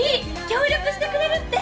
協力してくれるって。